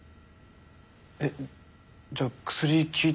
えっじゃあ薬効いてな。